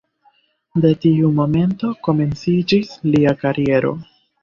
De tiu momento komenciĝis lia kariero.